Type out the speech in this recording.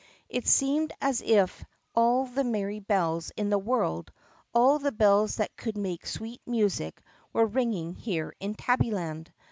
It seemed as if all the merry bells in the world, all the bells that could make sweet music, were ringing here in Tabbyland.